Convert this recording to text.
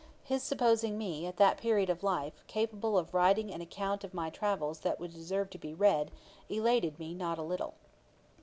His supposing me, at that period of life, capable of writing an account of my travels that would deserve to be read, elated me not a little.